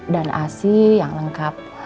dan asi yang lengkap